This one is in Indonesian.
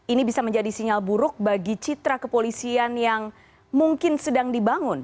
ini bisa menjadi sinyal buruk bagi citra kepolisian yang mungkin sedang dibangun